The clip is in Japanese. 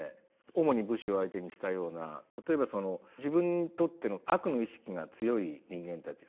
主に武士を相手にしたような例えばその自分にとっての悪の意識が強い人間たち。